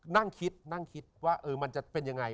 นั่งคิดนั่งคิดว่ามันจะเป็นยังไง